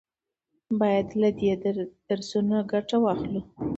باید له دې درسونو ګټه واخلو.